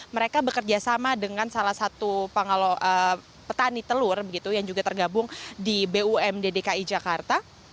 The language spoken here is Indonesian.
mereka bekerjasama dengan salah satu petani telur yang juga tergabung di bum dki jakarta